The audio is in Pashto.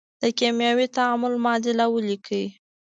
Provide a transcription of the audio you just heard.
د کیمیاوي تعامل معادله ولیکئ.